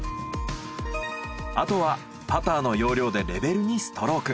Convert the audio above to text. あとはパターの要領でレベルにストローク。